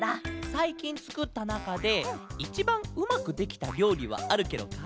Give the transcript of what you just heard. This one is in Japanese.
さいきんつくったなかでいちばんうまくできたりょうりはあるケロか？